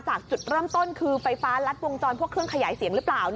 จุดเริ่มต้นคือไฟฟ้ารัดวงจรพวกเครื่องขยายเสียงหรือเปล่า